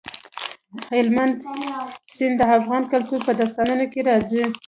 هلمند سیند د افغان کلتور په داستانونو کې راځي.